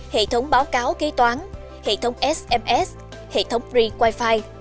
hệ thống báo cáo kế toán hệ thống sms hệ thống free wifi